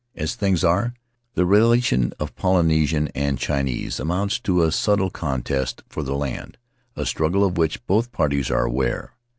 As things are, the relation of Polynesian and Chinese amounts to a subtle contest for the land — a struggle of which both parties are aware.